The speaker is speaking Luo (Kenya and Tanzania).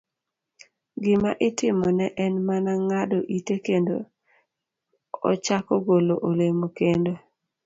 Gima itimone en mana ng'ado ite kendo ochako golo olemo kendo.